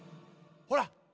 ほら。